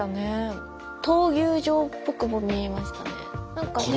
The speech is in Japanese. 闘牛場っぽくも見えましたね。